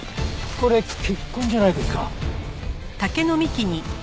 これ血痕じゃないですか？